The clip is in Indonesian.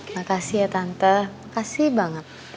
makasih ya tante makasih banget